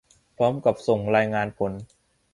พร้อมกับส่งรายงานผล